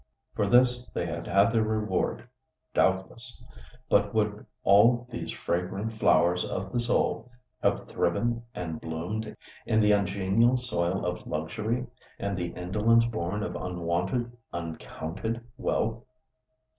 For this they had had their reward—doubtless. But would all these fragrant flowers of the soul have thriven and bloomed in the ungenial soil of luxury, and the indolence born of unwonted, uncounted wealth?